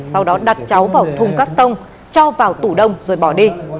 sau đó đặt cháu vào thùng cắt tông cho vào tủ đông rồi bỏ đi